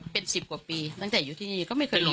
เป็น๑๐กว่าปีตั้งแต่อยู่ที่นี่ก็ไม่เคยรู้